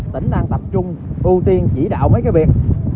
tỉnh đang tập trung ưu tiên chỉ đạo mấy cái việc